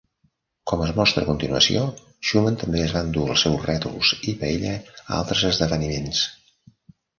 Com es mostra a continuació, Schuman també es va endur els seus rètols i paella a altres esdeveniments